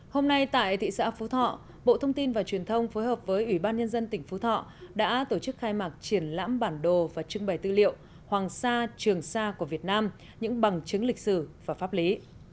hôm nay tại thị xã phú thọ bộ thông tin và truyền thông phối hợp với ủy ban nhân dân tỉnh phú thọ đã tổ chức khai mạc triển lãm bản đồ và trưng bày tư liệu hoàng sa trường sa của việt nam những bằng chứng lịch sử và pháp lý